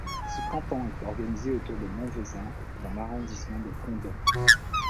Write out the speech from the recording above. Ce canton était organisé autour de Mauvezin dans l'arrondissement de Condom.